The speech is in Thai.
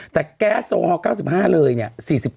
แต่แก๊สโซฮอร์๙๕เลยเนี่ย๔๗๐๔